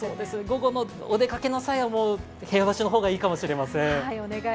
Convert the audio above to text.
午後のお出かけの際は、部屋干しの方がいいかもしれません。